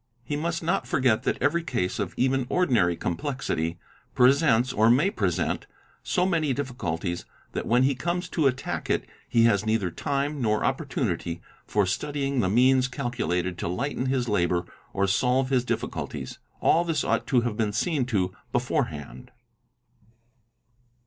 He must not forget that every case of even ordinary complexity presents or may present so many difficulties that when he comes to. attack it he has neither time nor opportunity for studying the means calculated to lighten his labour or solve his difficulties. All this ought to have been seen to beforehand.